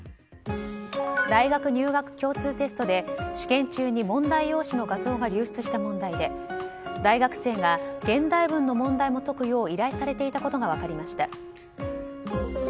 大学入学共通テストで試験中に問題用紙の画像が流出した問題で大学生が現代文の問題も解くよう依頼されていたことが分かりました。